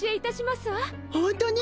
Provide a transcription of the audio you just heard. ホントに！？